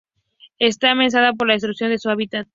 Está amenazada por la destrucción de su hábitat.